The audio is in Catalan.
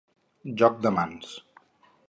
Joc de mans.